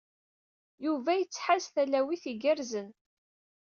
Yuba yettḥaz talawit igerrzen.